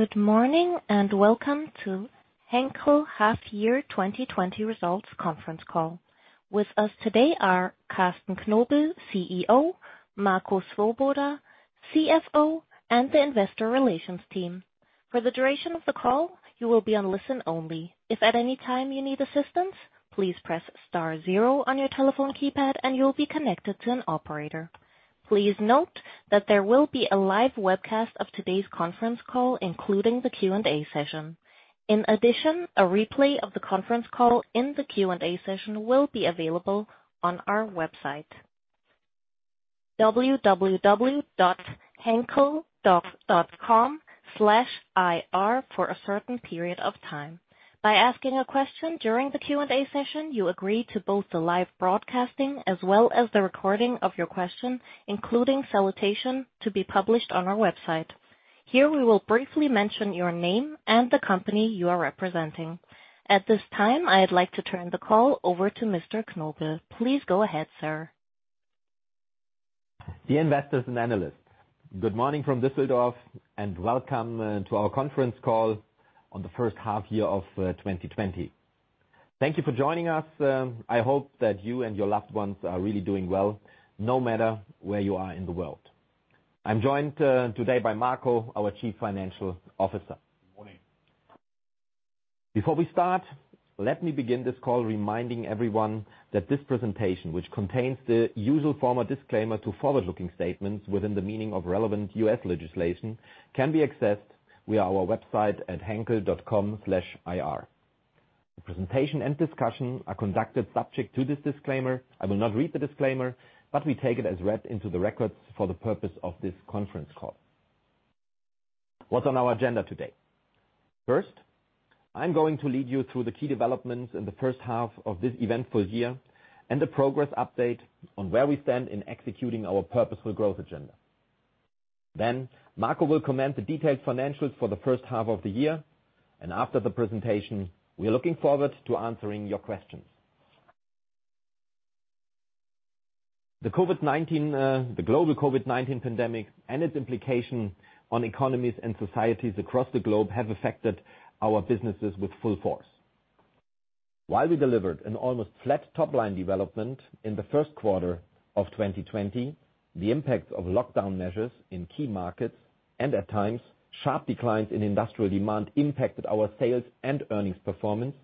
Good morning, welcome to Henkel Half-Year 2020 Results Conference Call. With us today are Carsten Knobel, CEO, Marco Swoboda, CFO, and the investor relations team. For the duration of the call, you will be on listen only. If at any time you need assistance, please press star zero on your telephone keypad and you'll be connected to an operator. Please note that there will be a live webcast of today's conference call, including the Q&A session. A replay of the conference call and the Q&A session will be available on our website, henkel.com/ir for a certain period of time. By asking a question during the Q&A session, you agree to both the live broadcasting as well as the recording of your question, including salutation, to be published on our website. Here we will briefly mention your name and the company you are representing. At this time, I'd like to turn the call over to Mr. Knobel. Please go ahead, sir. Dear investors and analysts, good morning from Düsseldorf and welcome to our conference call on the first half year of 2020. Thank you for joining us. I hope that you and your loved ones are really doing well, no matter where you are in the world. I'm joined today by Marco, our Chief Financial Officer. Morning. Before we start, let me begin this call reminding everyone that this presentation, which contains the usual formal disclaimer to forward-looking statements within the meaning of relevant U.S. legislation, can be accessed via our website at henkel.com/ir. The presentation and discussion are conducted subject to this disclaimer. I will not read the disclaimer, but we take it as read into the records for the purpose of this conference call. What's on our agenda today? I'm going to lead you through the key developments in the first half of this eventful year and the progress update on where we stand in executing our purposeful growth agenda. Marco will comment the detailed financials for the first half of the year, and after the presentation, we are looking forward to answering your questions. The global COVID-19 pandemic and its implication on economies and societies across the globe have affected our businesses with full force. While we delivered an almost flat top-line development in the first quarter of 2020, the impact of lockdown measures in key markets and at times sharply declines in industrial demand impacted our sales and earnings performance,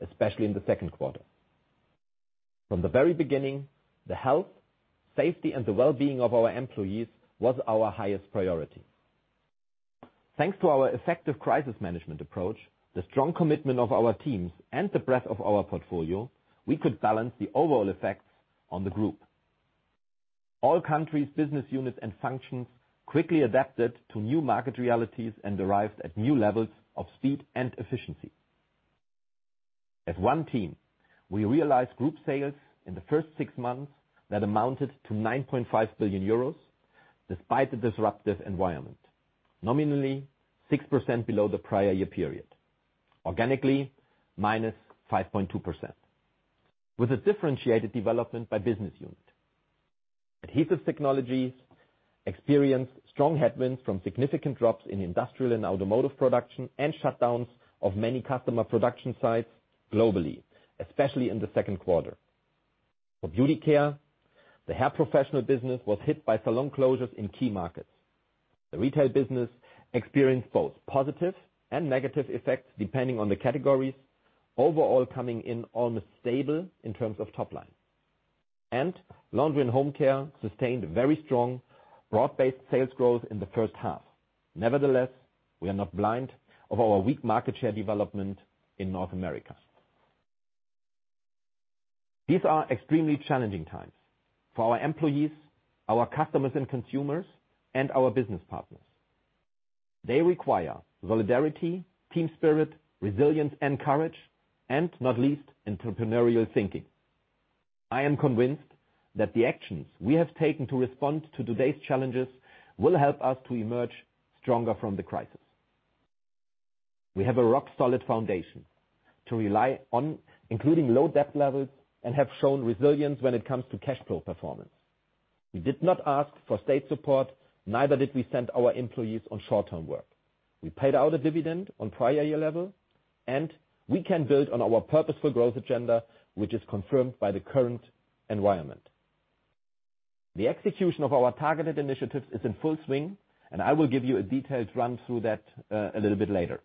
especially in the second quarter. From the very beginning, the health, safety, and the wellbeing of our employees was our highest priority. Thanks to our effective crisis management approach, the strong commitment of our teams, and the breadth of our portfolio, we could balance the overall effects on the group. All countries, business units, and functions quickly adapted to new market realities and arrived at new levels of speed and efficiency. As one team, we realized group sales in the first six months that amounted to 9.5 billion euros despite the disruptive environment. Nominally, 6% below the prior year period. Organically, -5.2%, with a differentiated development by business unit. Adhesive Technologies experienced strong headwinds from significant drops in industrial and automotive production and shutdowns of many customer production sites globally, especially in the second quarter. For Beauty Care, the hair professional business was hit by salon closures in key markets. The retail business experienced both positive and negative effects depending on the categories, overall coming in almost stable in terms of top line. Laundry & Home Care sustained very strong broad-based sales growth in the first half. Nevertheless, we are not blind of our weak market share development in North America. These are extremely challenging times for our employees, our customers and consumers, and our business partners. They require solidarity, team spirit, resilience and courage, and not least entrepreneurial thinking. I am convinced that the actions we have taken to respond to today's challenges will help us to emerge stronger from the crisis. We have a rock-solid foundation to rely on, including low debt levels, and have shown resilience when it comes to cash flow performance. We did not ask for state support, neither did we send our employees on short-term work. We paid out a dividend on prior year level, and we can build on our purposeful growth agenda, which is confirmed by the current environment. The execution of our targeted initiatives is in full swing. I will give you a detailed run through that a little bit later.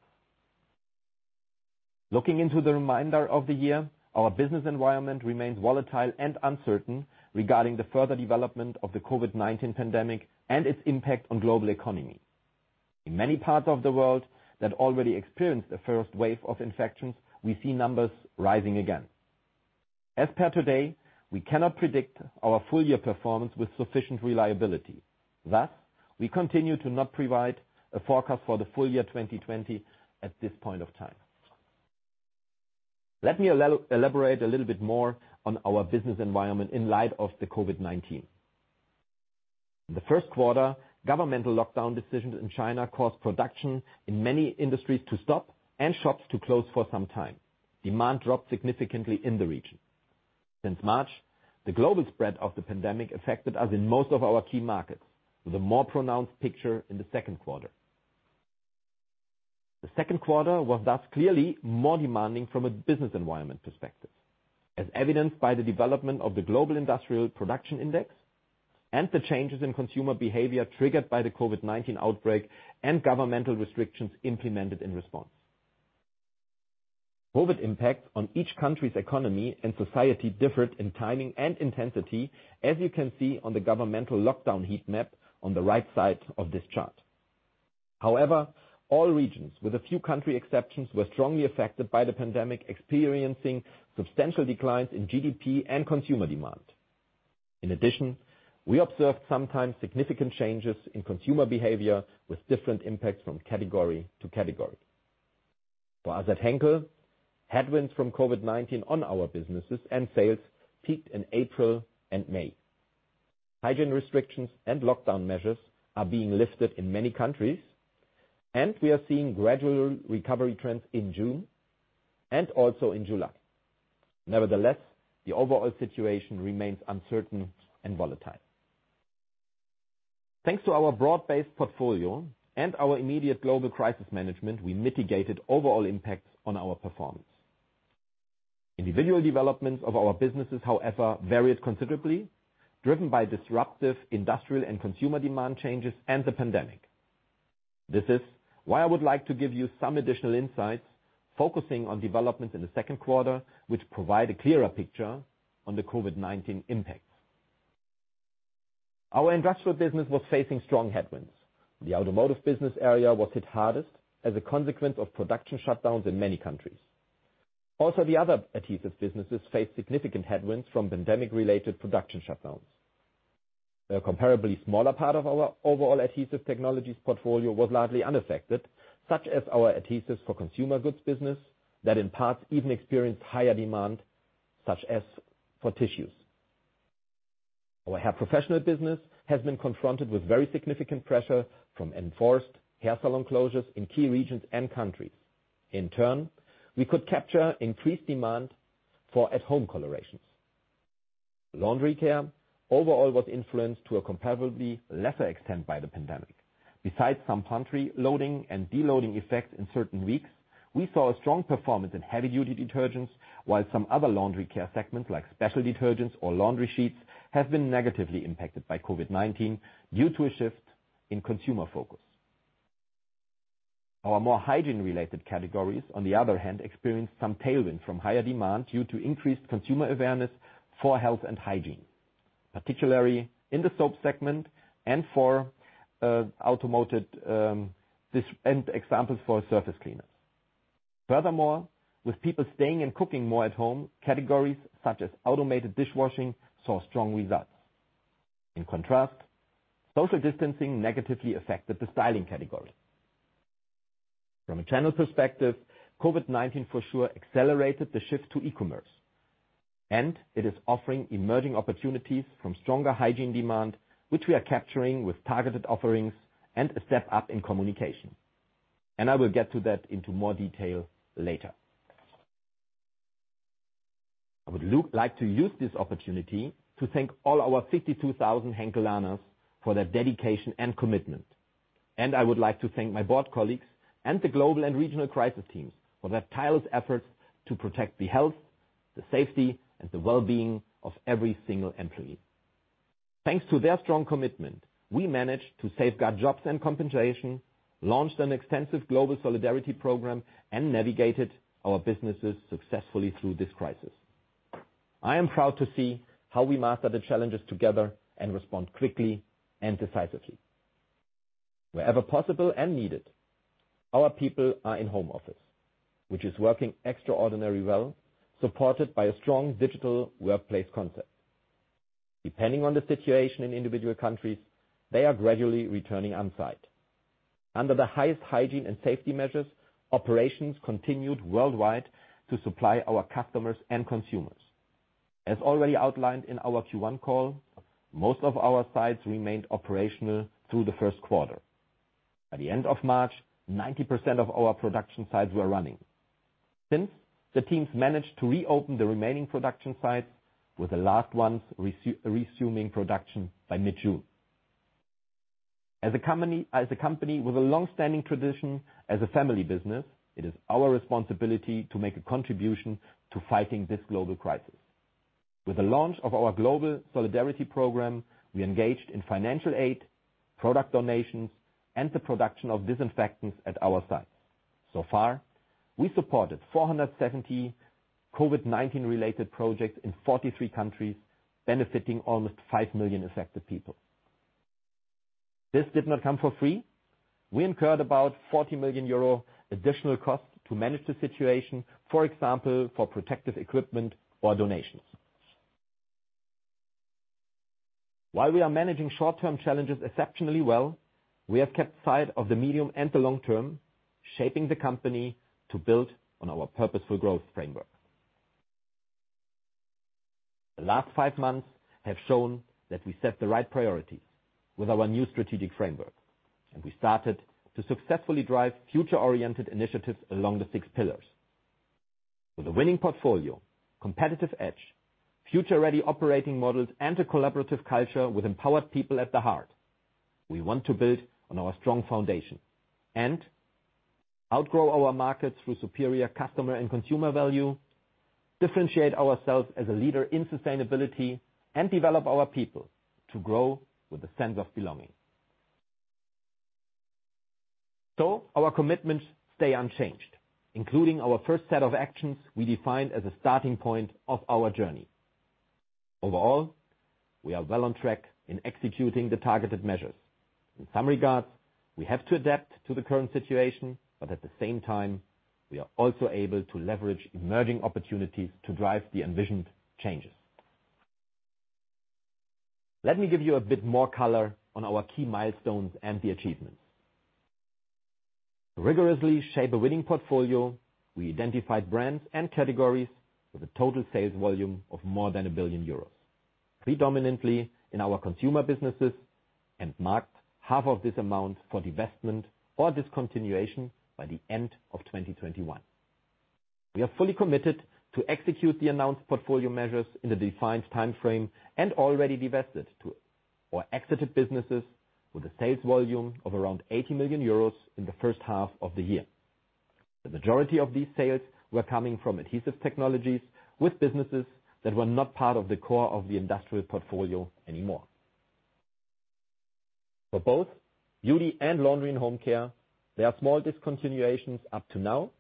Looking into the remainder of the year, our business environment remains volatile and uncertain regarding the further development of the COVID-19 pandemic and its impact on global economy. In many parts of the world that already experienced the first wave of infections, we see numbers rising again. As per today, we cannot predict our full year performance with sufficient reliability. Thus, we continue to not provide a forecast for the full year 2020 at this point of time. Let me elaborate a little bit more on our business environment in light of the COVID-19. In the first quarter, governmental lockdown decisions in China caused production in many industries to stop and shops to close for some time. Demand dropped significantly in the region. Since March, the global spread of the pandemic affected us in most of our key markets, with a more pronounced picture in the second quarter. The 2nd quarter was thus clearly more demanding from a business environment perspective, as evidenced by the development of the global industrial production index and the changes in consumer behavior triggered by the COVID-19 outbreak and governmental restrictions implemented in response. COVID impact on each country's economy and society differed in timing and intensity, as you can see on the governmental lockdown heat map on the right side of this chart. However, all regions, with a few country exceptions, were strongly affected by the pandemic, experiencing substantial declines in GDP and consumer demand. In addition, we observed sometimes significant changes in consumer behavior with different impacts from category to category. For us at Henkel, headwinds from COVID-19 on our businesses and sales peaked in April and May. Hygiene restrictions and lockdown measures are being lifted in many countries, and we are seeing gradual recovery trends in June and also in July. Nevertheless, the overall situation remains uncertain and volatile. Thanks to our broad-based portfolio and our immediate global crisis management, we mitigated overall impacts on our performance. Individual developments of our businesses, however, varied considerably, driven by disruptive industrial and consumer demand changes and the pandemic. This is why I would like to give you some additional insights, focusing on developments in the 2nd quarter, which provide a clearer picture on the COVID-19 impacts. Our industrial business was facing strong headwinds. The automotive business area was hit hardest as a consequence of production shutdowns in many countries. Also, the other adhesives businesses faced significant headwinds from pandemic-related production shutdowns. A comparably smaller part of our overall Adhesive Technologies portfolio was largely unaffected, such as our adhesives for consumer goods business, that in parts even experienced higher demand, such as for tissues. Our hair professional business has been confronted with very significant pressure from enforced hair salon closures in key regions and countries. In turn, we could capture increased demand for at-home colorations. Laundry care, overall, was influenced to a comparably lesser extent by the pandemic. Besides some country loading and deloading effects in certain weeks, we saw a strong performance in heavy-duty detergents, while some other laundry care segments, like special detergents or laundry sheets, have been negatively impacted by COVID-19 due to a shift in consumer focus. Our more hygiene-related categories, on the other hand, experienced some tailwind from higher demand due to increased consumer awareness for health and hygiene, particularly in the soap segment and for automated, and examples for surface cleaners. Furthermore, with people staying and cooking more at home, categories such as automated dishwashing saw strong results. In contrast, social distancing negatively affected the styling category. From a channel perspective, COVID-19 for sure accelerated the shift to e-commerce, and it is offering emerging opportunities from stronger hygiene demand, which we are capturing with targeted offerings and a step up in communication, and I will get to that into more detail later. I would like to use this opportunity to thank all our 52,000 Henkelaner for their dedication and commitment. I would like to thank my board colleagues and the global and regional crisis teams for their tireless efforts to protect the health, the safety, and the wellbeing of every single employee. Thanks to their strong commitment, we managed to safeguard jobs and compensation, launched an extensive global solidarity program, and navigated our businesses successfully through this crisis. I am proud to see how we master the challenges together and respond quickly and decisively. Wherever possible and needed, our people are in home office, which is working extraordinarily well, supported by a strong digital workplace concept. Depending on the situation in individual countries, they are gradually returning on-site. Under the highest hygiene and safety measures, operations continued worldwide to supply our customers and consumers. As already outlined in our Q1 call, most of our sites remained operational through the first quarter. By the end of March, 90% of our production sites were running. Since, the teams managed to reopen the remaining production sites, with the last ones resuming production by mid-June. As a company with a longstanding tradition as a family business, it is our responsibility to make a contribution to fighting this global crisis. With the launch of our global solidarity program, we engaged in financial aid, product donations, and the production of disinfectants at our sites. So far, we supported 470 COVID-19 related projects in 43 countries, benefiting almost 5 million affected people. This did not come for free. We incurred about 40 million euro additional costs to manage the situation, for example, for protective equipment or donations. While we are managing short-term challenges exceptionally well, we have kept sight of the medium and the long term, shaping the company to build on our Purposeful Growth Framework. The last 5 months have shown that we set the right priorities with our New Strategic Framework, and we started to successfully drive future-oriented initiatives along the six pillars. With a Winning Portfolio, Competitive Edge, Future-Ready Operating Models, and a Collaborative Culture with Empowered People at the heart, we want to build on our strong foundation and outgrow our markets through superior customer and consumer value, differentiate ourselves as a leader in sustainability, and develop our people to grow with a sense of belonging. Our commitments stay unchanged, including our first set of actions we defined as a starting point of our journey. Overall, we are well on track in executing the targeted measures. In some regards, we have to adapt to the current situation, but at the same time, we are also able to leverage emerging opportunities to drive the envisioned changes. Let me give you a bit more color on our key milestones and the achievements. To rigorously shape a Winning Portfolio, we identified brands and categories with a total sales volume of more than 1 billion euros, predominantly in our consumer businesses and marked half of this amount for divestment or discontinuation by the end of 2021. We are fully committed to execute the announced portfolio measures in the defined timeframe and already divested to or exited businesses with a sales volume of around 80 million euros in the first half of the year. The majority of these sales were coming from Adhesive Technologies with businesses that were not part of the core of the industrial portfolio anymore. For both Beauty and Laundry & Home Care, there are small discontinuations up to now.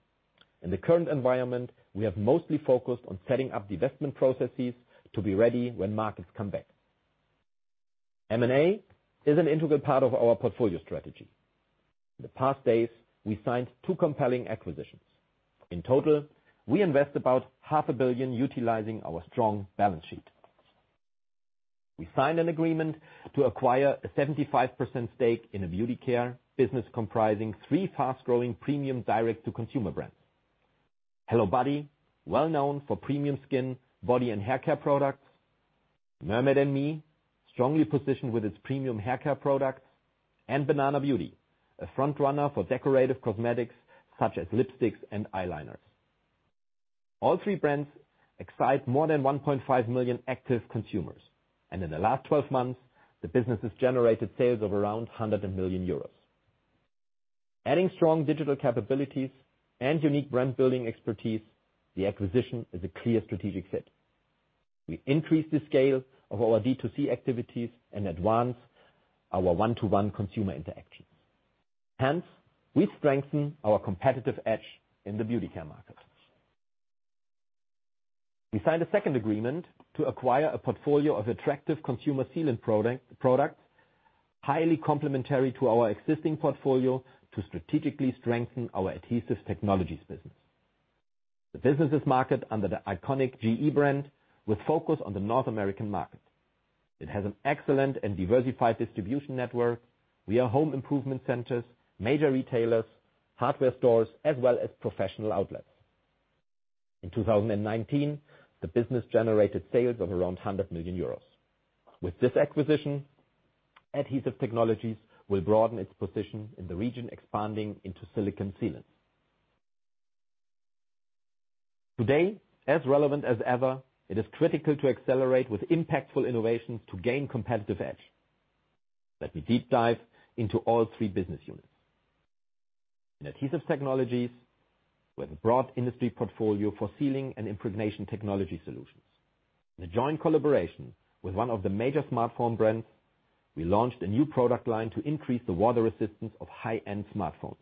In the current environment, we have mostly focused on setting up divestment processes to be ready when markets come back. M&A is an integral part of our portfolio strategy. In the past days, we signed two compelling acquisitions. In total, we invest about half a billion utilizing our strong balance sheet. We signed an agreement to acquire a 75% stake in a beauty care business comprising three fast-growing premium direct-to-consumer brands. HelloBody, well-known for premium skin, body, and haircare products. Mermaid+Me, strongly positioned with its premium haircare products. Banana Beauty, a frontrunner for decorative cosmetics such as lipsticks and eyeliners. All three brands excite more than 1.5 million active consumers. In the last 12 months, the businesses generated sales of around 100 million euros. Adding strong digital capabilities and unique brand-building expertise, the acquisition is a clear strategic fit. We increase the scale of our D2C activities and advance our one-to-one consumer interactions. Hence, we strengthen our competitive edge in the beauty care markets. We signed a second agreement to acquire a portfolio of attractive consumer sealant products, highly complementary to our existing portfolio to strategically strengthen our Adhesive Technologies business. The businesses market under the iconic GE brand with focus on the North American market. It has an excellent and diversified distribution network via home improvement centers, major retailers, hardware stores, as well as professional outlets. In 2019, the business generated sales of around 100 million euros. With this acquisition, Adhesive Technologies will broaden its position in the region, expanding into silicon sealants. Today, as relevant as ever, it is critical to accelerate with impactful innovations to gain competitive edge. Let me deep dive into all three business units. In Adhesive Technologies, with a broad industry portfolio for sealing and impregnation technology solutions. In a joint collaboration with one of the major smartphone brands, we launched a new product line to increase the water resistance of high-end smartphones.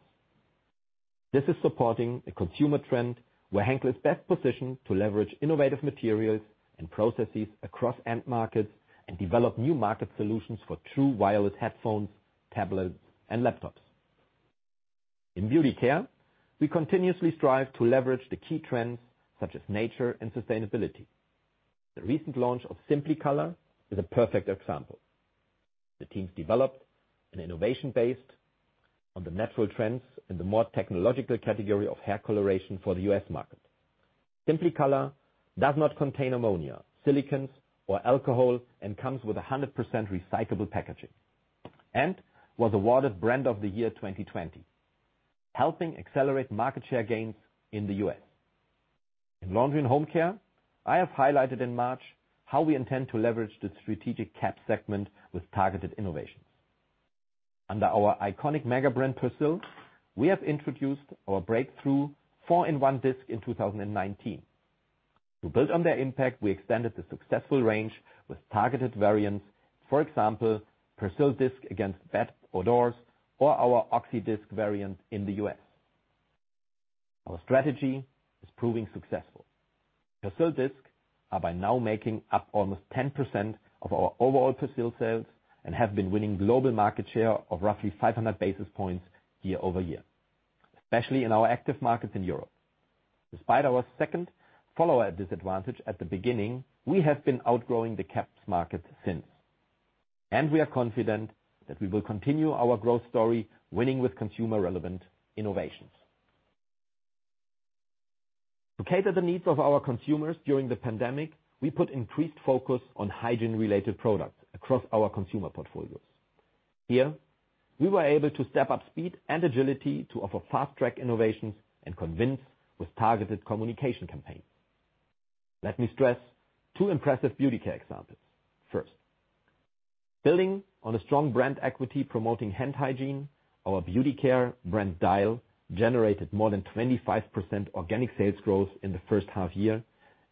This is supporting a consumer trend where Henkel is best positioned to leverage innovative materials and processes across end markets and develop new market solutions for true wireless headphones, tablets, and laptops. In Beauty Care, we continuously strive to leverage the key trends such as nature and sustainability. The recent launch of Simply Color is a perfect example. The teams developed an innovation based on the natural trends in the more technological category of hair coloration for the U.S. market. Simply Color does not contain ammonia, silicones, or alcohol and comes with 100% recyclable packaging and was awarded Brand of the Year 2020, helping accelerate market share gains in the U.S. In Laundry & Home Care, I have highlighted in March how we intend to leverage the strategic capped segment with targeted innovations. Under our iconic mega brand, Persil, we have introduced our breakthrough 4in1 Discs in 2019. To build on their impact, we extended the successful range with targeted variants. For example, Persil Discs Against Bad Odors or our OXI DISC variant in the U.S. Our strategy is proving successful. Persil Discs are by now making up almost 10% of our overall Persil sales and have been winning global market share of roughly 500 basis points year-over-year, especially in our active markets in Europe. Despite our second follower disadvantage at the beginning, we have been outgrowing the capped market since. We are confident that we will continue our growth story, winning with consumer-relevant innovations. To cater the needs of our consumers during the pandemic, we put increased focus on hygiene-related products across our consumer portfolios. Here, we were able to step up speed and agility to offer fast-track innovations and convince with targeted communication campaigns. Let me stress two impressive beauty care examples. First, building on a strong brand equity promoting hand hygiene, our beauty care brand, Dial, generated more than 25% organic sales growth in the first half year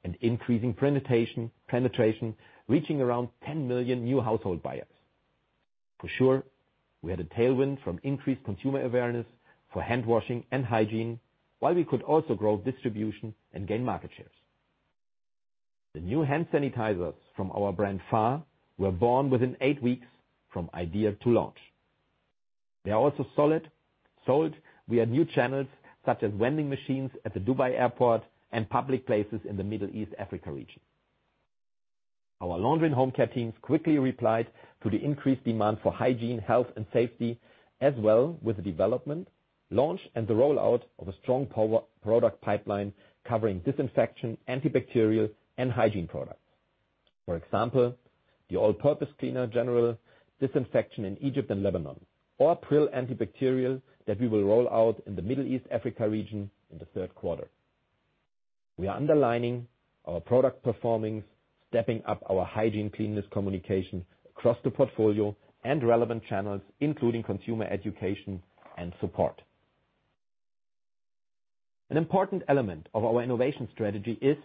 and increasing penetration, reaching around 10 million new household buyers. For sure, we had a tailwind from increased consumer awareness for handwashing and hygiene, while we could also grow distribution and gain market shares. The new hand sanitizers from our brand, Fa, were born within eight weeks from idea to launch. They are also sold via new channels such as vending machines at the Dubai Airport and public places in the Middle East, Africa region. Our laundry and home care teams quickly replied to the increased demand for hygiene, health, and safety as well, with the development, launch, and the rollout of a strong product pipeline covering disinfection, antibacterial, and hygiene products. For example, the all-purpose cleaner, General Disinfection in Egypt and Lebanon, or Pril Antibacterial that we will roll out in the Middle East, Africa region in the third quarter. We are underlining our product performance, stepping up our hygiene, cleanliness communication across the portfolio and relevant channels, including consumer education and support. An important element of our innovation strategy is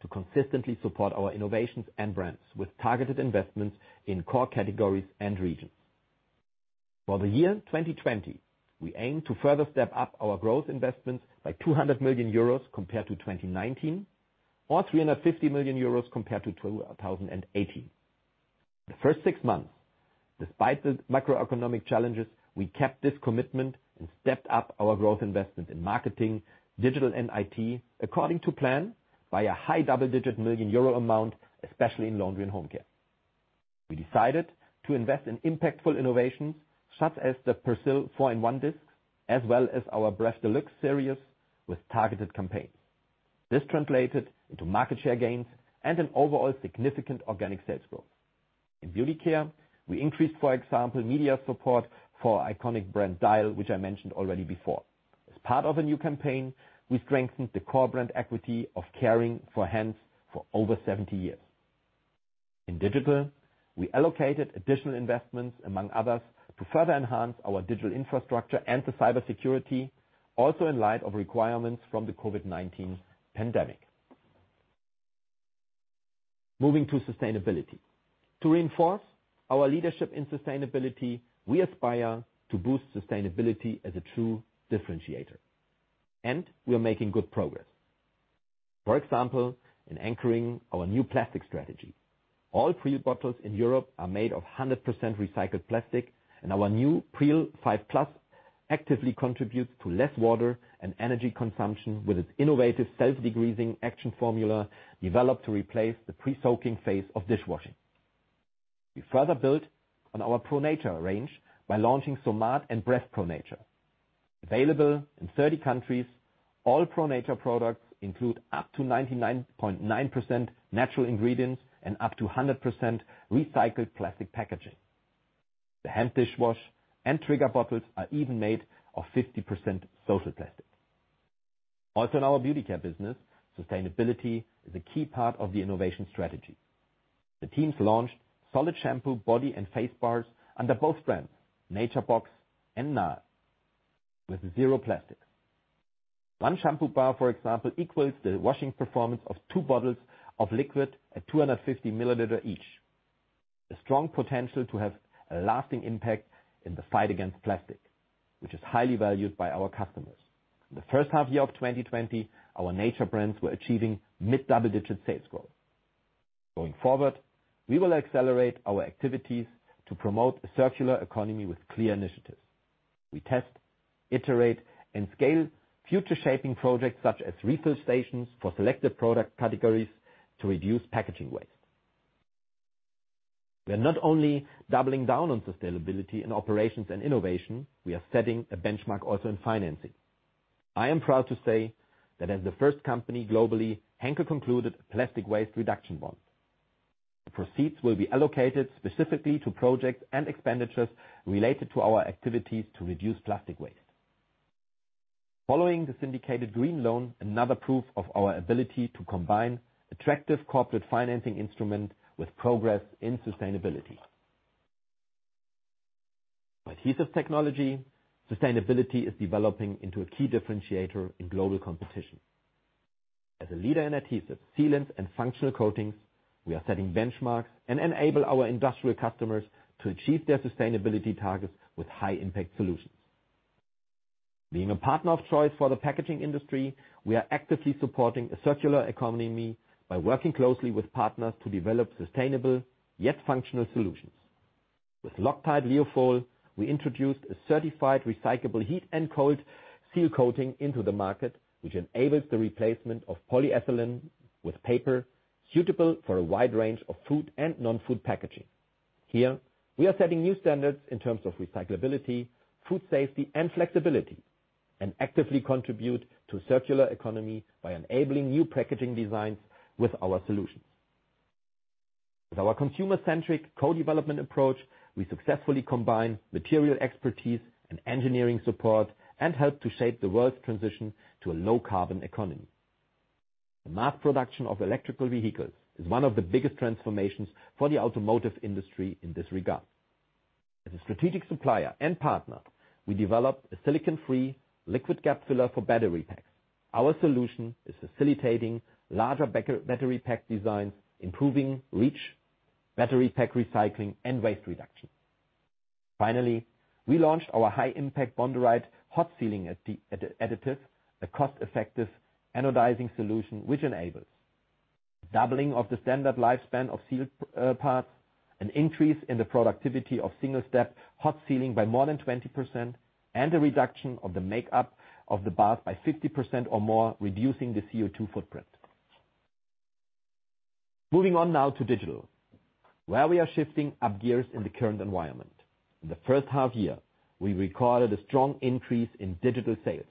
to consistently support our innovations and brands with targeted investments in core categories and regions. For the year 2020, we aim to further step up our growth investments by 200 million euros compared to 2019, or 350 million euros compared to 2018. The first six months, despite the macroeconomic challenges, we kept this commitment and stepped up our growth investment in marketing, digital, and IT according to plan by a high double-digit million EUR amount, especially in laundry and home care. We decided to invest in impactful innovations such as the Persil 4in1 Discs, as well as our Bref DeLuxe series with targeted campaigns. This translated into market share gains and an overall significant organic sales growth. In beauty care, we increased, for example, media support for iconic brand Dial, which I mentioned already before. As part of a new campaign, we strengthened the core brand equity of caring for hands for over 70 years. In digital, we allocated additional investments, among others, to further enhance our digital infrastructure and for cybersecurity, also in light of requirements from the COVID-19 pandemic. Moving to sustainability. To reinforce our leadership in sustainability, we aspire to boost sustainability as a true differentiator, and we are making good progress. For example, in anchoring our new plastic strategy. All Pril bottles in Europe are made of 100% recycled plastic, and our new Pril 5+ actively contributes to less water and energy consumption with its innovative self-degreasing action formula developed to replace the pre-soaking phase of dishwashing. We further built on our Pro Nature range by launching Somat and Bref Pro Nature. Available in 30 countries, all Pro Nature products include up to 99.9% natural ingredients and up to 100% recycled plastic packaging. The hand dishwash and trigger bottles are even made of 50% Social Plastic. Also in our Beauty Care business, sustainability is a key part of the innovation strategy. The teams launched solid shampoo, body, and face bars under both brands, Nature Box and Nivea, with zero plastic. One shampoo bar, for example, equals the washing performance of two bottles of liquid at 250 ml each. A strong potential to have a lasting impact in the fight against plastic, which is highly valued by our customers. In H1 2020, our nature brands were achieving mid double-digit sales growth. Going forward, we will accelerate our activities to promote a circular economy with clear initiatives. We test, iterate, and scale future shaping projects such as refill stations for selected product categories to reduce packaging waste. We're not only doubling down on sustainability in operations and innovation, we are setting a benchmark also in financing. I am proud to say that as the first company globally, Henkel concluded a plastic waste reduction bond. The proceeds will be allocated specifically to projects and expenditures related to our activities to reduce plastic waste. Following the syndicated Green Loan, another proof of our ability to combine attractive corporate financing instrument with progress in sustainability. For Adhesive Technologies, sustainability is developing into a key differentiator in global competition. As a leader in adhesives, sealants, and functional coatings, we are setting benchmarks and enable our industrial customers to achieve their sustainability targets with high-impact solutions. Being a partner of choice for the packaging industry, we are actively supporting a circular economy by working closely with partners to develop sustainable, yet functional solutions. With LOCTITE Liofol, we introduced a certified recyclable heat and coldSeal coating into the market, which enables the replacement of polyethylene with paper, suitable for a wide range of food and non-food packaging. Here, we are setting new standards in terms of recyclability, food safety, and flexibility, and actively contribute to circular economy by enabling new packaging designs with our solutions. With our consumer-centric co-development approach, we successfully combine material expertise and engineering support and help to shape the world's transition to a low-carbon economy. The mass production of electrical vehicles is one of the biggest transformations for the automotive industry in this regard. As a strategic supplier and partner, we developed a silicon-free liquid gap filler for battery packs. Our solution is facilitating larger battery pack designs, improving reach, battery pack recycling, and waste reduction. Finally, we launched our high impact Bonderite hot sealing additive, a cost-effective anodizing solution which enables doubling of the standard lifespan of sealed parts, an increase in the productivity of single-step hot-sealing by more than 20%, and a reduction of the makeup of the bath by 50% or more, reducing the CO2 footprint. Moving on now to digital, where we are shifting up gears in the current environment. In H1, we recorded a strong increase in digital sales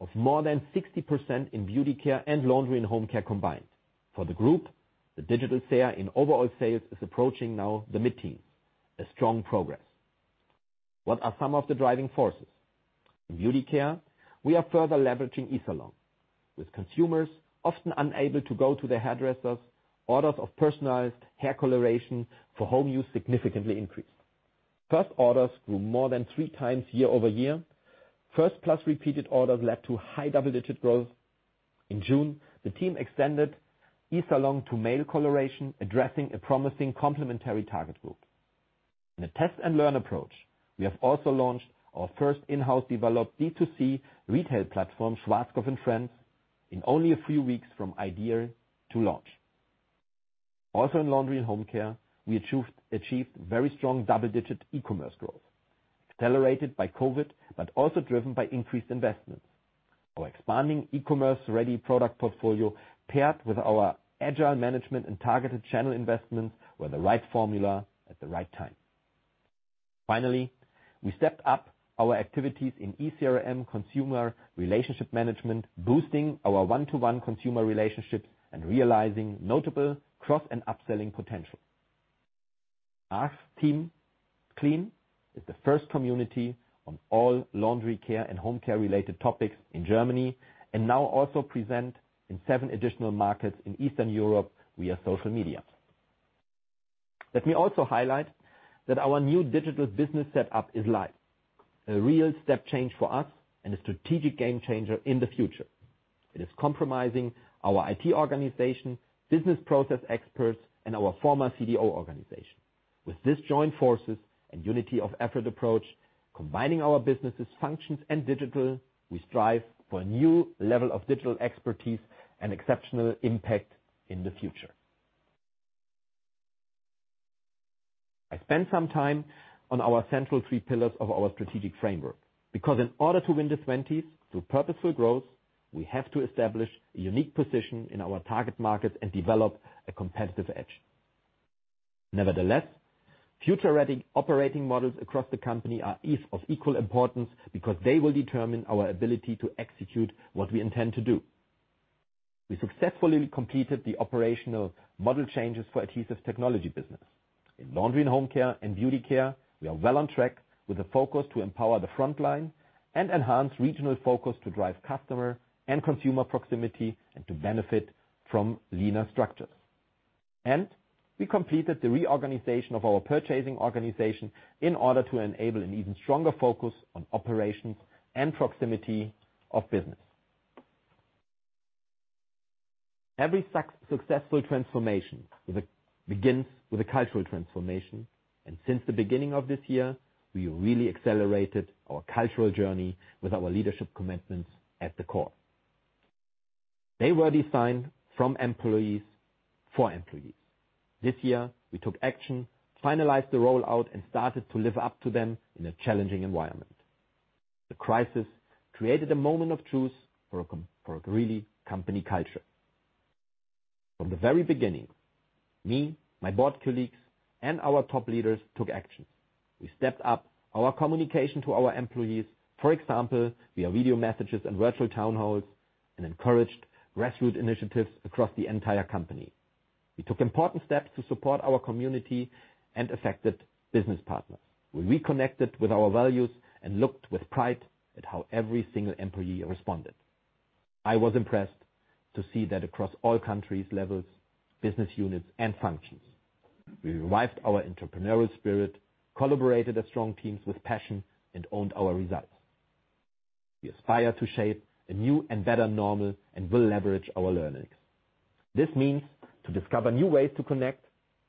of more than 60% in Beauty Care and Laundry & Home Care combined. For the group, the digital sale in overall sales is approaching now the mid-teens, a strong progress. What are some of the driving forces? In Beauty Care, we are further leveraging eSalon. With consumers often unable to go to their hairdressers, orders of personalized hair coloration for home use significantly increased. First orders grew more than three times year-over-year. First plus repeated orders led to high double-digit growth. In June, the team extended Easy Along to male coloration, addressing a promising complementary target group. In a test-and-learn approach, we have also launched our first in-house developed D2C retail platform, Schwarzkopf and Friends, in only a few weeks from idea to launch. Also in Laundry & Home Care, we achieved very strong double-digit e-commerce growth, accelerated by COVID, but also driven by increased investments. Our expanding e-commerce-ready product portfolio paired with our agile management and targeted channel investments were the right formula at the right time. Finally, we stepped up our activities in eCRM, consumer relationship management, boosting our one-to-one consumer relationships and realizing notable cross and upselling potential. Ask Team Clean is the first community on all laundry care and home care-related topics in Germany and now also present in seven additional markets in Eastern Europe via social media. Let me also highlight that our new digital business setup is live, a real step change for us and a strategic game changer in the future. It is compromising our IT organization, business process experts, and our former CDO organization. With this joint forces and unity of effort approach, combining our businesses, functions, and digital, we strive for a new level of digital expertise and exceptional impact in the future. I spent some time on our central three pillars of our strategic framework because in order to win the '20s through purposeful growth, we have to establish a unique position in our target market and develop a competitive edge. Nevertheless, future-ready operating models across the company are of equal importance because they will determine our ability to execute what we intend to do. We successfully completed the operational model changes for Adhesive Technologies business. In Laundry & Home Care and Beauty Care, we are well on track with a focus to empower the frontline and enhance regional focus to drive customer and consumer proximity and to benefit from leaner structures. We completed the reorganization of our purchasing organization in order to enable an even stronger focus on operations and proximity of business. Every successful transformation begins with a cultural transformation, since the beginning of this year, we really accelerated our cultural journey with our leadership commitments at the core. They were designed from employees for employees. This year, we took action, finalized the rollout, and started to live up to them in a challenging environment. The crisis created a moment of truth for a great company culture. From the very beginning, me, my board colleagues, and our top leaders took action. We stepped up our communication to our employees, for example, via video messages and virtual town halls, and encouraged grassroots initiatives across the entire company. We took important steps to support our community and affected business partners. We reconnected with our values and looked with pride at how every single employee responded. I was impressed to see that across all countries, levels, business units, and functions. We revived our entrepreneurial spirit, collaborated as strong teams with passion, and owned our results. We aspire to shape a new and better normal and will leverage our learnings. This means to discover new ways to connect,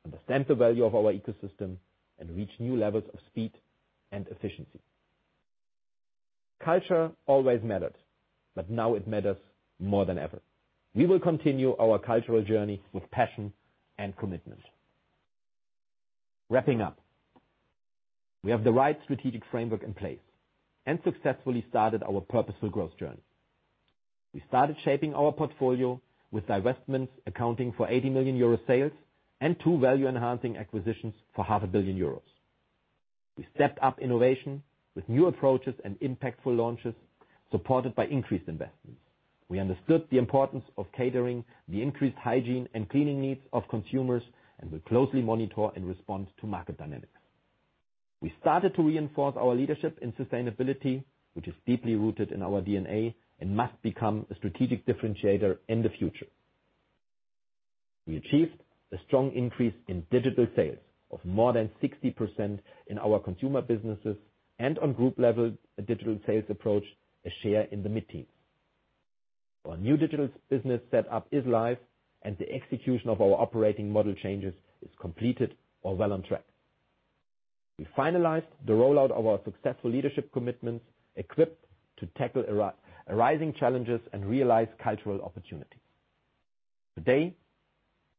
understand the value of our ecosystem, and reach new levels of speed and efficiency. Culture always mattered, but now it matters more than ever. We will continue our cultural journey with passion and commitment. Wrapping up. We have the right strategic framework in place and successfully started our purposeful growth journey. We started shaping our portfolio with divestments accounting for 80 million euro sales and two value-enhancing acquisitions for half a billion EUR. We stepped up innovation with new approaches and impactful launches, supported by increased investments. We understood the importance of catering the increased hygiene and cleaning needs of consumers and will closely monitor and respond to market dynamics. We started to reinforce our leadership in sustainability, which is deeply rooted in our DNA and must become a strategic differentiator in the future. We achieved a strong increase in digital sales of more than 60% in our consumer businesses and on group level, a digital sales approach, a share in the mid-teens. Our new digital business set up is live, the execution of our operating model changes is completed or well on track. We finalized the rollout of our successful leadership commitments, equipped to tackle arising challenges and realize cultural opportunities. Today,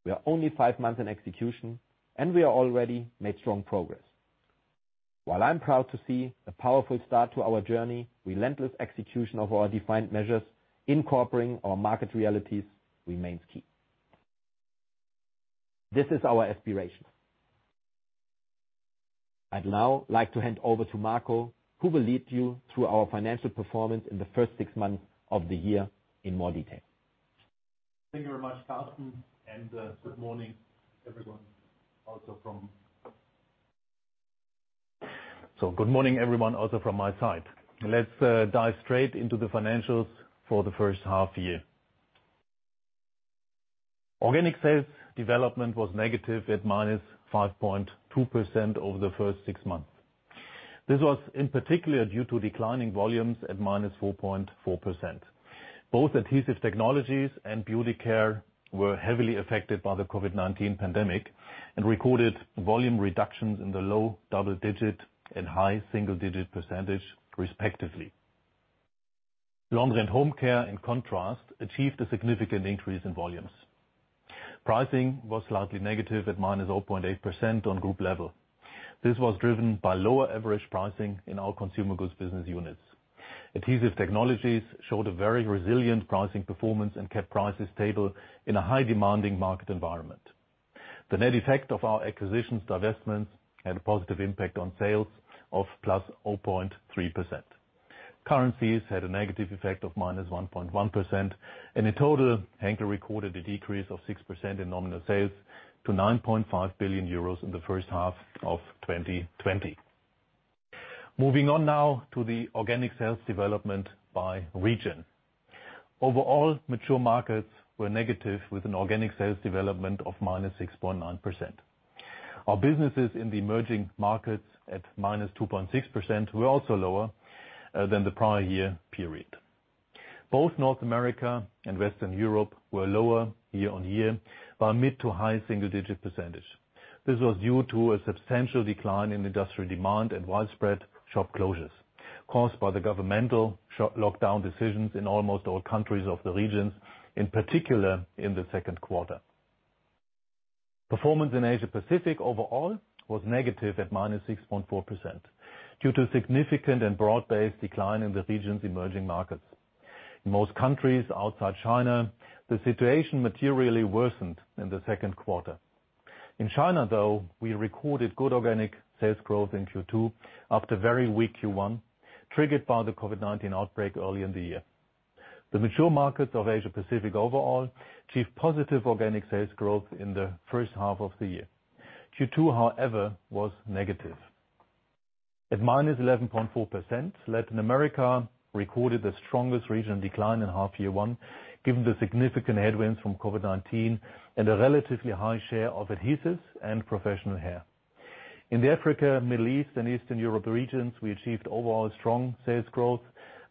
we are only five months in execution, we have already made strong progress. While I'm proud to see the powerful start to our journey, relentless execution of our defined measures, incorporating our market realities remains key. This is our aspiration. I'd now like to hand over to Marco, who will lead you through our financial performance in the first six months of the year in more detail. Thank you very much, Carsten, good morning, everyone. Good morning, everyone, also from my side. Let's dive straight into the financials for the first half year. Organic sales development was negative at -5.2% over the first six months. This was in particular due to declining volumes at -4.4%. Both Adhesive Technologies and Beauty Care were heavily affected by the COVID-19 pandemic and recorded volume reductions in the low double digit and high single digit percentage, respectively. Laundry & Home Care, in contrast, achieved a significant increase in volumes. Pricing was slightly negative at -0.8% on group level. This was driven by lower average pricing in our consumer goods business units. Adhesive Technologies showed a very resilient pricing performance and kept prices stable in a high demanding market environment. The net effect of our acquisitions, divestments, had a positive impact on sales of +0.3%. Currencies had a negative effect of -1.1%, in total, Henkel recorded a decrease of 6% in nominal sales to 9.5 billion euros in the first half of 2020. Moving on now to the organic sales development by region. Overall, mature markets were negative with an organic sales development of -6.9%. Our businesses in the emerging markets at -2.6% were also lower than the prior year period. Both North America and Western Europe were lower year-on-year by mid to high single digit percentage. This was due to a substantial decline in industrial demand and widespread shop closures caused by the governmental lockdown decisions in almost all countries of the regions, in particular in the second quarter. Performance in Asia-Pacific overall was negative at -6.4% due to significant and broad-based decline in the region's emerging markets. In most countries outside China, the situation materially worsened in the second quarter. In China, though, we recorded good organic sales growth in Q2 after a very weak Q1, triggered by the COVID-19 outbreak early in the year. The mature markets of Asia-Pacific overall achieved positive organic sales growth in the first half of the year. Q2, however, was negative. At -11.4%, Latin America recorded the strongest regional decline in half year 1, given the significant headwinds from COVID-19 and a relatively high share of adhesives and professional hair. In the Africa, Middle East, and Eastern Europe regions, we achieved overall strong sales growth,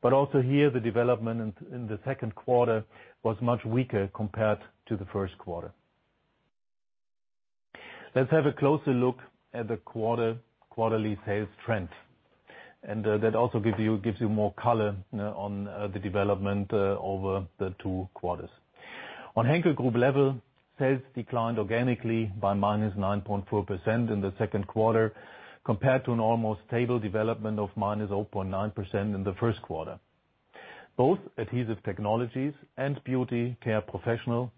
but also here, the development in the second quarter was much weaker compared to the first quarter. Let's have a closer look at the quarterly sales trends. That also gives you more color on the development over the two quarters. On Henkel Group level, sales declined organically by -9.4% in the second quarter compared to an almost stable development of -0.9% in the first quarter. Both Adhesive Technologies and Beauty Care Professional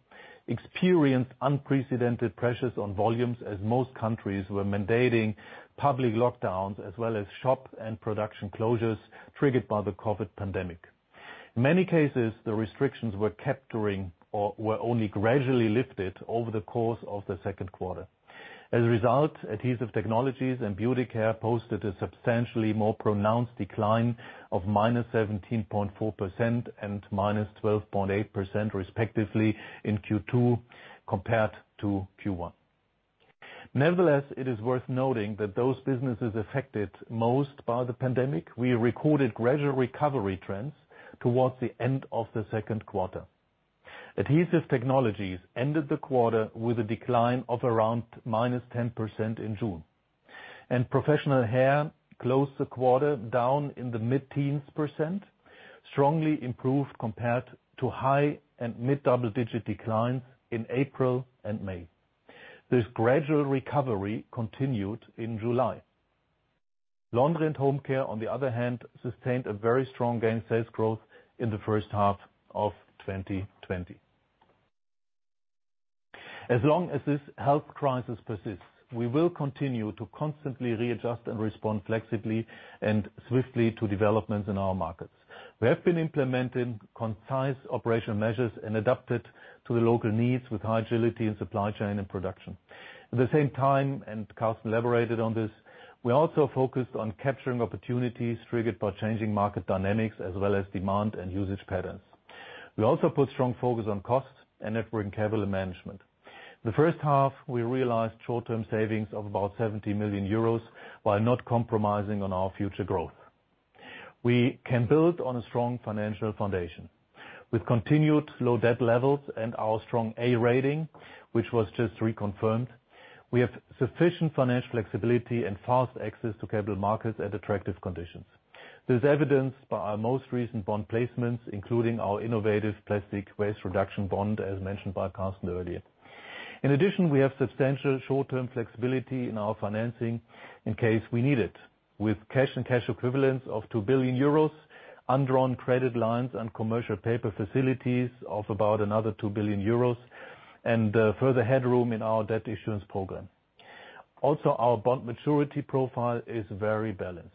experienced unprecedented pressures on volumes as most countries were mandating public lockdowns as well as shop and production closures triggered by the COVID-19 pandemic. In many cases, the restrictions were only gradually lifted over the course of the second quarter. As a result, Adhesive Technologies and Beauty Care posted a substantially more pronounced decline of -17.4% and -12.8%, respectively, in Q2 compared to Q1. Nevertheless, it is worth noting that those businesses affected most by the COVID-19 pandemic, we recorded gradual recovery trends towards the end of the second quarter. Adhesive Technologies ended the quarter with a decline of around -10% in June. Professional hair closed the quarter down in the mid-teens percent, strongly improved compared to high and mid-double-digit declines in April and May. This gradual recovery continued in July. Laundry & Home Care, on the other hand, sustained a very strong gain sales growth in the first half of 2020. As long as this health crisis persists, we will continue to constantly readjust and respond flexibly and swiftly to developments in our markets. We have been implementing concise operational measures and adapt it to the local needs with high agility in supply chain and production. At the same time, Carsten elaborated on this, we also focused on capturing opportunities triggered by changing market dynamics as well as demand and usage patterns. We also put strong focus on costs and net working capital management. The first half, we realized short-term savings of about 70 million euros while not compromising on our future growth. We can build on a strong financial foundation. With continued low debt levels and our strong A rating, which was just reconfirmed, we have sufficient financial flexibility and fast access to capital markets at attractive conditions. This is evidenced by our most recent bond placements, including our innovative plastic waste reduction bond, as mentioned by Carsten earlier. In addition, we have substantial short-term flexibility in our financing in case we need it, with cash and cash equivalents of 2 billion euros, undrawn credit lines and commercial paper facilities of about another 2 billion euros, and further headroom in our debt issuance program. Our bond maturity profile is very balanced.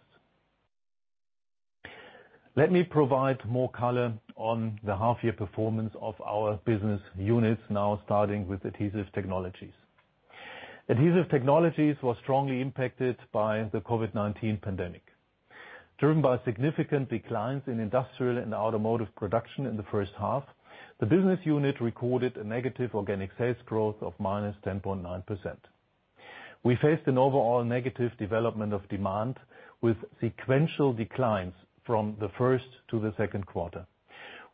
Let me provide more color on the half-year performance of our business units now, starting with Adhesive Technologies. Adhesive Technologies was strongly impacted by the COVID-19 pandemic. Driven by significant declines in industrial and automotive production in the first half, the business unit recorded a negative organic sales growth of -10.9%. We faced an overall negative development of demand, with sequential declines from the first to the second quarter.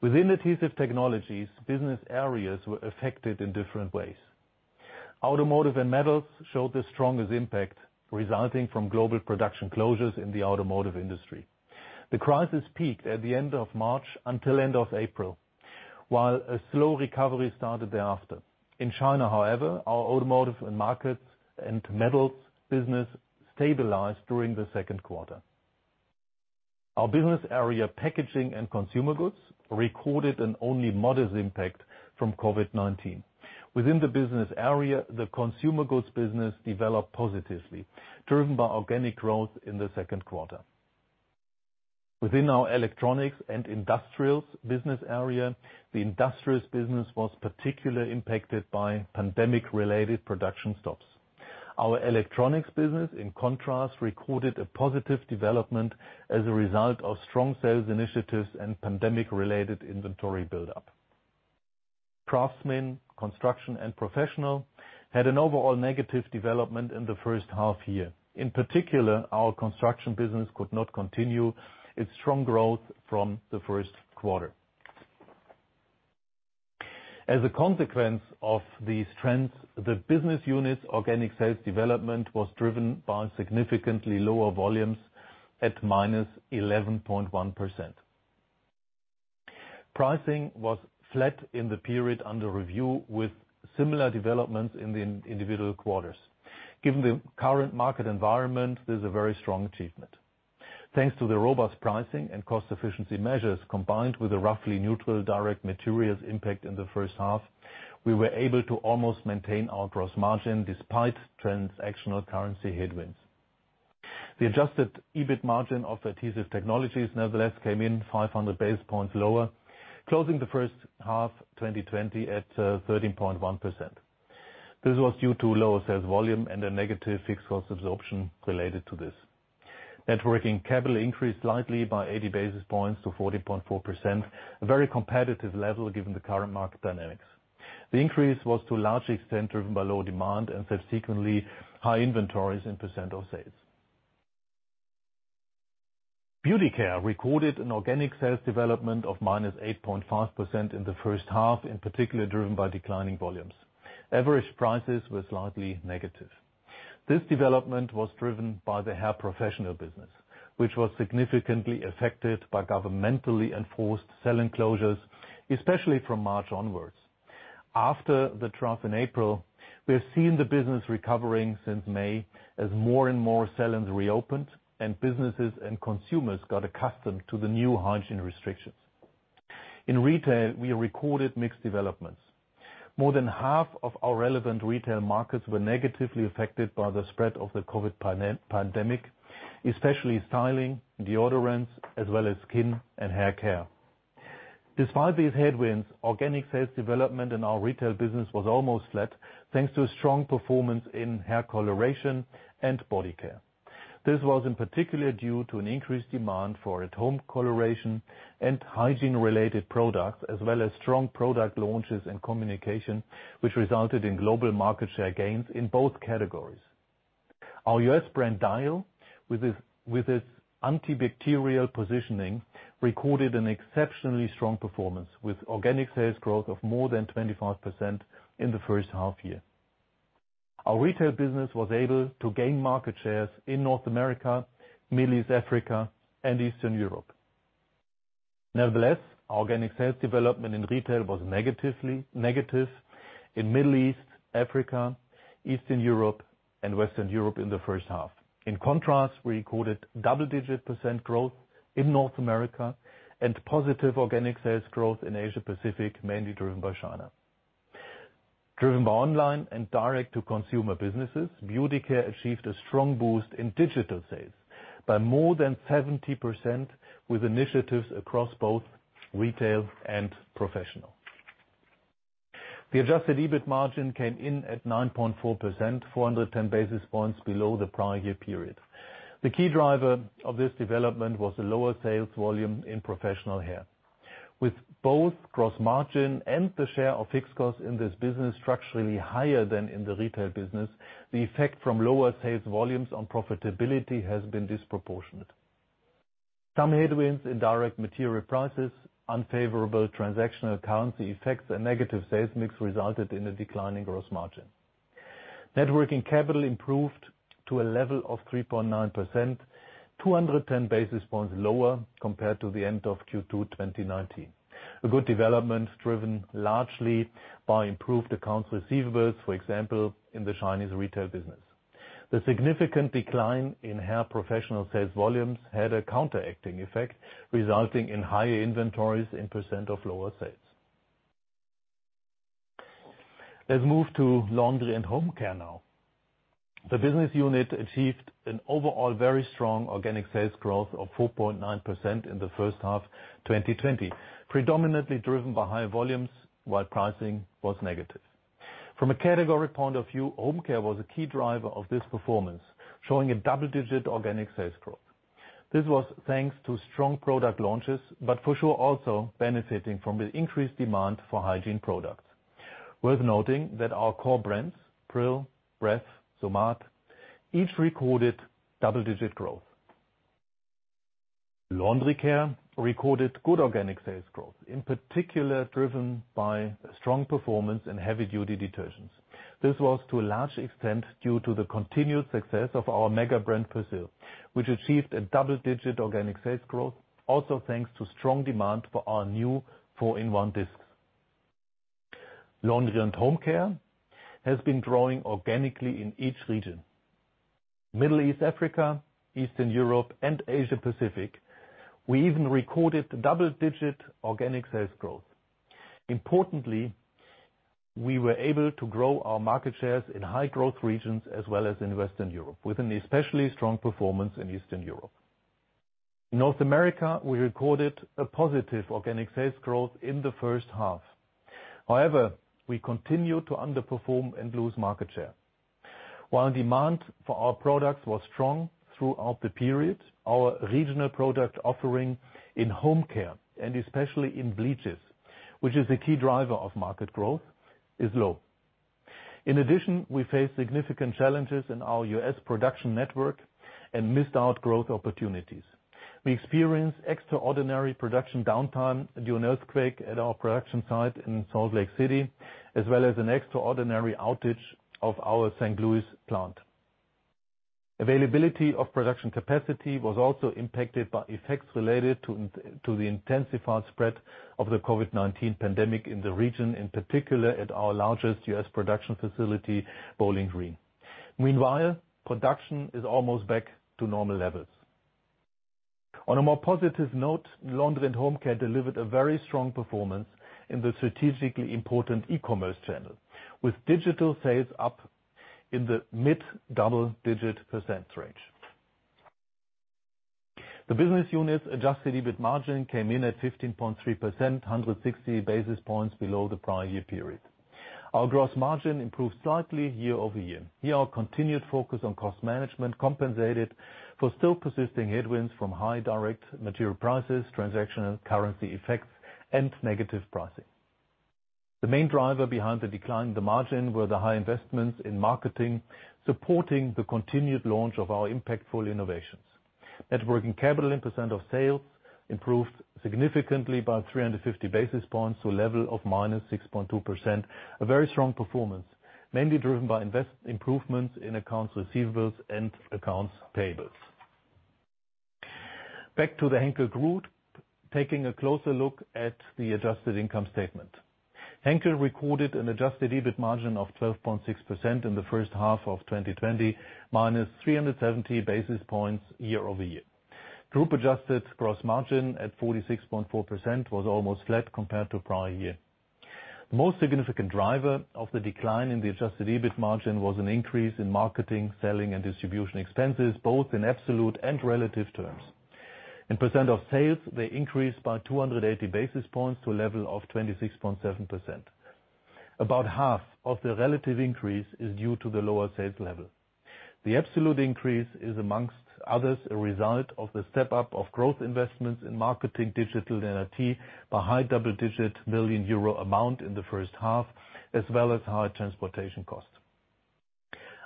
Within Adhesive Technologies, business areas were affected in different ways. Automotive and metals showed the strongest impact, resulting from global production closures in the automotive industry. The crisis peaked at the end of March until end of April, while a slow recovery started thereafter. In China, however, our automotive and markets and metals business stabilized during the second quarter. Our business area, packaging and consumer goods, recorded an only modest impact from COVID-19. Within the business area, the consumer goods business developed positively, driven by organic growth in the second quarter. Within our electronics and industrials business area, the industrials business was particularly impacted by pandemic-related production stops. Our electronics business, in contrast, recorded a positive development as a result of strong sales initiatives and pandemic-related inventory buildup. Craftsmen, construction, and professional had an overall negative development in the first half year. In particular, our construction business could not continue its strong growth from the first quarter. As a consequence of these trends, the business unit's organic sales development was driven by significantly lower volumes at -11.1%. Pricing was flat in the period under review, with similar developments in the individual quarters. Given the current market environment, this is a very strong achievement. Thanks to the robust pricing and cost efficiency measures, combined with a roughly neutral direct materials impact in the first half, we were able to almost maintain our gross margin despite transactional currency headwinds. The adjusted EBIT margin of Adhesive Technologies, nevertheless, came in 500 basis points lower, closing the first half 2020 at 13.1%. This was due to lower sales volume and a negative fixed cost absorption related to this. Net working capital increased slightly by 80 basis points to 14.4%, a very competitive level given the current market dynamics. The increase was to a large extent driven by low demand and subsequently high inventories in percent of sales. Beauty Care recorded an organic sales development of -8.5% in the first half, in particular driven by declining volumes. Average prices were slightly negative. This development was driven by the hair professional business, which was significantly affected by governmentally enforced salon closures, especially from March onwards. After the trough in April, we have seen the business recovering since May as more and more salons reopened and businesses and consumers got accustomed to the new hygiene restrictions. In retail, we recorded mixed developments. More than half of our relevant retail markets were negatively affected by the spread of the COVID-19 pandemic, especially styling, deodorants, as well as skin and hair care. Despite these headwinds, organic sales development in our retail business was almost flat, thanks to a strong performance in hair coloration and body care. This was in particular due to an increased demand for at-home coloration and hygiene-related products, as well as strong product launches and communication, which resulted in global market share gains in both categories. Our U.S. brand, Dial with its antibacterial positioning, recorded an exceptionally strong performance with organic sales growth of more than 25% in the first half year. Our retail business was able to gain market shares in North America, Middle East, Africa, and Eastern Europe. Nevertheless, organic sales development in retail was negative in Middle East, Africa, Eastern Europe and Western Europe in the first half. In contrast, we recorded double-digit percent growth in North America and positive organic sales growth in Asia-Pacific, mainly driven by China. Driven by online and direct-to-consumer businesses, Beauty Care achieved a strong boost in digital sales by more than 70%, with initiatives across both retail and professional. The adjusted EBIT margin came in at 9.4%, 410 basis points below the prior year period. The key driver of this development was the lower sales volume in professional hair. With both gross margin and the share of fixed costs in this business structurally higher than in the retail business, the effect from lower sales volumes on profitability has been disproportionate. Some headwinds in direct material prices, unfavorable transactional currency effects, and negative sales mix resulted in a decline in gross margin. Net working capital improved to a level of 3.9%, 210 basis points lower compared to the end of Q2 2019. A good development driven largely by improved accounts receivables, for example, in the Chinese retail business. The significant decline in hair professional sales volumes had a counteracting effect, resulting in higher inventories in percent of lower sales. Let's move to Laundry & Home Care now. The business unit achieved an overall very strong organic sales growth of 4.9% in the first half 2020, predominantly driven by high volumes while pricing was negative. From a category point of view, Home Care was a key driver of this performance, showing a double-digit organic sales growth. This was thanks to strong product launches, but for sure, also benefiting from the increased demand for hygiene products. Worth noting that our core brands, Pril, Bref, Somat, each recorded double-digit growth. Laundry Care recorded good organic sales growth, in particular driven by a strong performance in heavy-duty detergents. This was to a large extent due to the continued success of our mega brand, Persil, which achieved a double-digit organic sales growth, also thanks to strong demand for our new 4in1 Discs. Laundry & Home Care has been growing organically in each region. Middle East, Africa, Eastern Europe and Asia-Pacific, we even recorded double-digit organic sales growth. Importantly, we were able to grow our market shares in high growth regions as well as in Western Europe, with an especially strong performance in Eastern Europe. In North America, we recorded a positive organic sales growth in the first half. However, we continued to underperform and lose market share. While demand for our products was strong throughout the period, our regional product offering in Home Care, and especially in bleaches, which is a key driver of market growth, is low. In addition, we face significant challenges in our U.S. production network and missed out growth opportunities. We experienced extraordinary production downtime during earthquake at our production site in Salt Lake City, as well as an extraordinary outage of our St. Louis plant. Availability of production capacity was also impacted by effects related to the intensified spread of the COVID-19 pandemic in the region, in particular at our largest U.S. production facility, Bowling Green. Meanwhile, production is almost back to normal levels. On a more positive note, Laundry & Home Care delivered a very strong performance in the strategically important e-commerce channel, with digital sales up in the mid double-digit % range. The business unit's adjusted EBIT margin came in at 15.3%, 160 basis points below the prior year period. Our gross margin improved slightly year-over-year. Here, our continued focus on cost management compensated for still persisting headwinds from high direct material prices, transactional currency effects, and negative pricing. The main driver behind the decline in the margin were the high investments in marketing, supporting the continued launch of our impactful innovations. Net working capital in percent of sales improved significantly by 350 basis points to a level of -6.2%, a very strong performance, mainly driven by improvements in accounts receivables and accounts payables. Back to the Henkel Group, taking a closer look at the adjusted income statement. Henkel recorded an adjusted EBIT margin of 12.6% in the first half of 2020, minus 370 basis points year-over-year. Group adjusted gross margin at 46.4% was almost flat compared to prior year. The most significant driver of the decline in the adjusted EBIT margin was an increase in marketing, selling, and distribution expenses, both in absolute and relative terms. In % of sales, they increased by 280 basis points to a level of 26.7%. About half of the relative increase is due to the lower sales level. The absolute increase is, amongst others, a result of the step-up of growth investments in marketing, digital, and IT by high double-digit million euro amount in the first half, as well as higher transportation costs.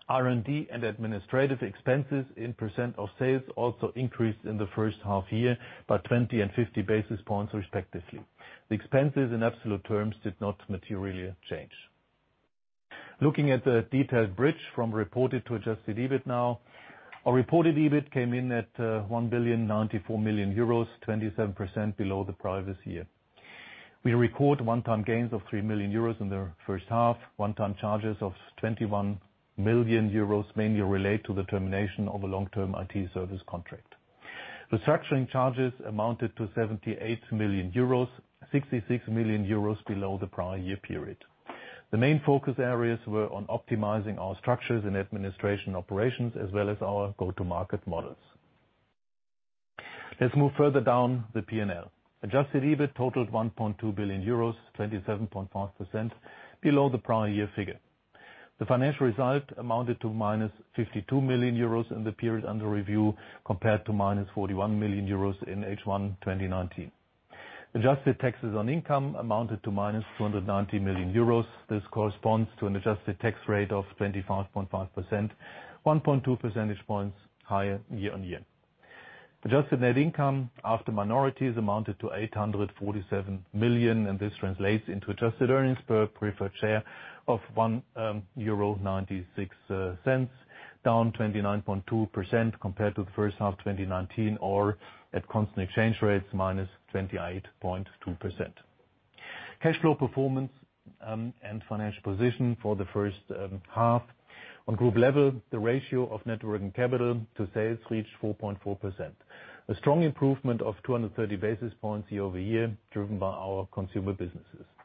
R&D and administrative expenses in % of sales also increased in the first half year by 20 and 50 basis points respectively. The expenses in absolute terms did not materially change. Looking at the detailed bridge from reported to adjusted EBIT now. Our reported EBIT came in at 1.094 billion euros, 27% below the prior this year. We record one-time gains of 3 million euros in the first half, one-time charges of 21 million euros, mainly related to the termination of a long-term IT service contract. The structuring charges amounted to 78 million euros, 66 million euros below the prior year period. The main focus areas were on optimizing our structures and administration operations as well as our go-to market models. Let's move further down the P&L. Adjusted EBIT totaled 1.2 billion euros, 27.5% below the prior year figure. The financial result amounted to minus 52 million euros in the period under review, compared to minus 41 million euros in H1 2019. Adjusted taxes on income amounted to minus 290 million euros. This corresponds to an adjusted tax rate of 25.5%, 1.2 percentage points higher year-on-year. Adjusted net income after minorities amounted to 847 million, and this translates into adjusted earnings per preferred share of 1.96 euro, down 29.2% compared to the first half 2019, or at constant exchange rates, minus 28.2%. Cash flow performance and financial position for the first half. On group level, the ratio of net working capital to sales reached 4.4%. A strong improvement of 230 basis points year-over-year, driven by our consumer businesses. We reported